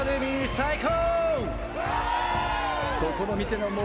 最高！